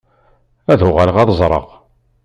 Ad uɣaleɣ ad ẓreɣ.